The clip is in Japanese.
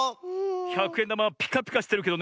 ひゃくえんだまはピカピカしてるけどね